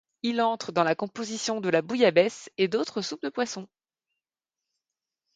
Il entre dans la composition de la bouillabaisse et d'autres soupes de poissons.